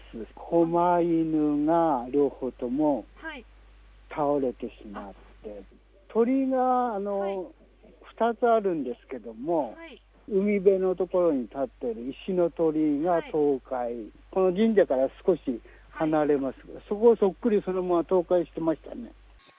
こま犬が両方とも倒れてしまって、鳥居が２つあるんですけど海辺のところに立っている石の鳥居が倒壊神社から少し離れますけど、そこはそっくりそのまま倒壊してましたね。